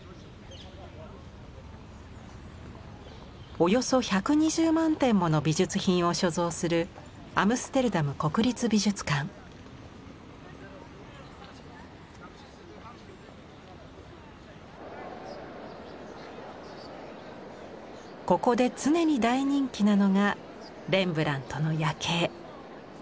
およそ１２０万点もの美術品を所蔵するここで常に大人気なのがレンブラントの「夜警」。